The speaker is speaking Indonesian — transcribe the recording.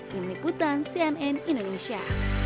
tim liputan cnn indonesia